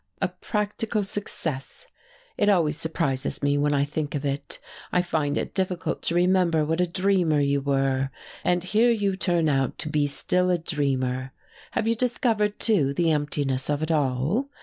A practical success! It always surprises me when I think of it, I find it difficult to remember what a dreamer you were and here you turn out to be still a dreamer! Have you discovered, too, the emptiness of it all?"